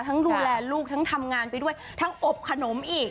ดูแลลูกทั้งทำงานไปด้วยทั้งอบขนมอีก